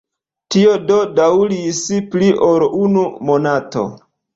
Tio do daŭris pli ol unu monato.